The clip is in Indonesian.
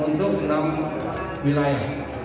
untuk enam wilayah